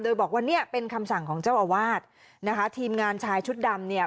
โดยบอกว่าเนี่ยเป็นคำสั่งของเจ้าอาวาสนะคะทีมงานชายชุดดำเนี่ย